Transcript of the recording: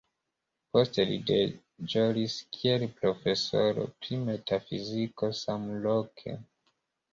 Poste li deĵoris kiel profesoro pri metafiziko samloke.